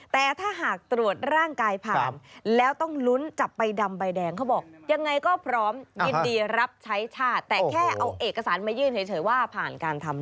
แต่ถ้าหากตรวจร่างกายผ่าน